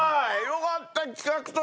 よかった企画として。